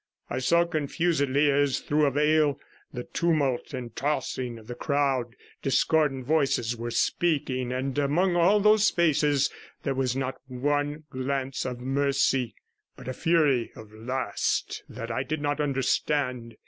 I saw confusedly, as through a veil, the tumult and tossing of the crowd, discordant voices were speaking, and amongst all those faces there was not one glance of mercy, but a fury of lust that I did not understand.